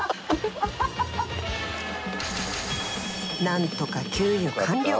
なんとか給油完了！